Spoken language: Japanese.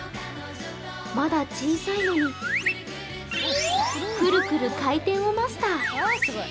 まだ小さいのに、くるくる回転をマスター。